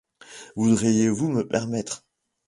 Voudriez-vous me permettre…